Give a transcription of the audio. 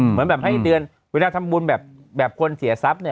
เหมือนแบบให้เดือนเวลาทำบุญแบบคนเสียทรัพย์เนี่ย